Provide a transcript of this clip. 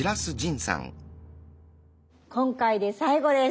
今回で最後です。